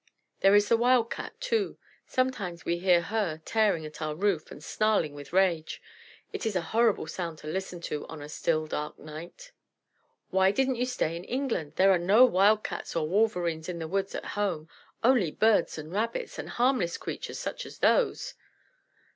There is the Wild Cat, too. Sometimes we hear her tearing at our roof, and snarling with rage. It is a horrible sound to listen to on a still dark night." "Why didn't you stay in England? There are no Wild Cats or Wolverenes in the woods at home only Birds and Rabbits, and harmless creatures such as those."